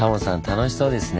楽しそうですね。